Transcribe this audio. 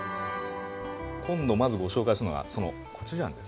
今度まずご紹介するのがコチュジャンですね。